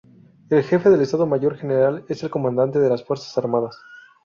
El Jefe del Estado Mayor General es el Comandante de las Fuerzas Armadas.